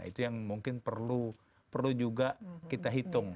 itu yang mungkin perlu juga kita hitung